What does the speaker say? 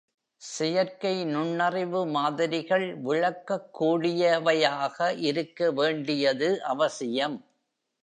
செயற்கை நுண்ணறிவு மாதிரிகள் விளக்கக் கூடியவையாக இருக்க வேண்டியது அவசியம்.